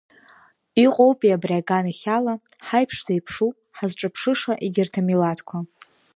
Иҟоупеи абри аганахьала, ҳаиԥш зеиԥшу, ҳазҿыԥшыша егьырҭ амилаҭқәа!